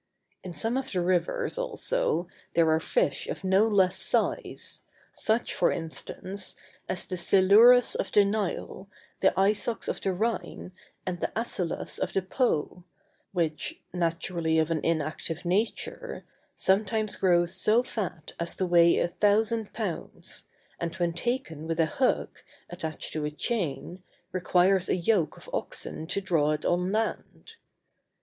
In some of the rivers, also, there are fish of no less size, such, for instance, as the silurus of the Nile, the isox of the Rhine, and the attilus of the Po, which, naturally of an inactive nature, sometimes grows so fat as to weigh a thousand pounds, and when taken with a hook, attached to a chain, requires a yoke of oxen to draw it on land.